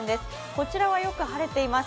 こちらはよく晴れています